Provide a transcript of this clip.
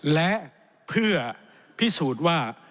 และเพื่อพิสูจน์ว่า